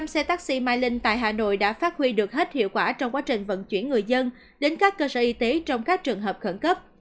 một mươi xe taxi mai linh tại hà nội đã phát huy được hết hiệu quả trong quá trình vận chuyển người dân đến các cơ sở y tế trong các trường hợp khẩn cấp